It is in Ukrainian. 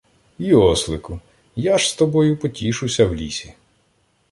— Йослику! Я ж з тобою потішуся в лісі.